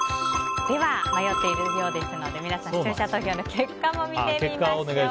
迷っているようですので視聴者投票の結果を見てみましょう。